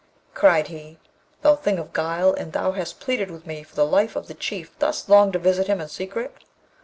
Cried he, 'Thou thing of guile! and thou hast pleaded with me for the life of the Chief thus long to visit him in secret!